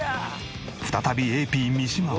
再びＡＰ三島は。